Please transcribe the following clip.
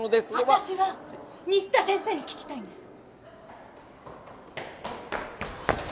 私は新田先生に聞きたいんです。